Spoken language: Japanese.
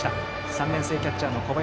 ３年生のキャッチャーの小林。